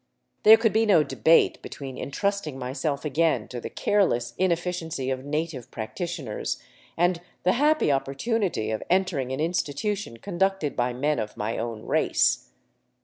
There could be no debate between entrusting myself again to the careless inefficiency of native practitioners, and the happy oppor tunity of entering an institution conducted by men of my own race.